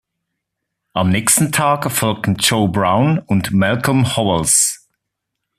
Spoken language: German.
Am nächsten Tag folgten Joe Brown und Malcom Howells.